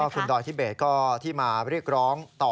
แล้วก็คุณดอยที่เบสก็ที่มาเรียกร้องต่อ